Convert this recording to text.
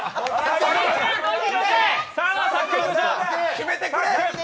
決めてくれ！